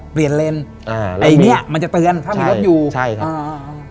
เปลี่ยนเลนอ่าไอ้เนี้ยมันจะเตือนถ้ามีรถอยู่ใช่ครับอ่า